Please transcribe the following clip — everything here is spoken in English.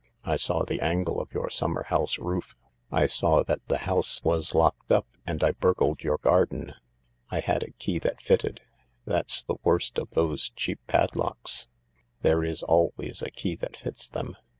I saw the angle of your summer house roof. I saw that the house was locked up, and I burgled your garden. I had a key that fitted. That's the worst of those cheap pad locks—there is always a key that fits them.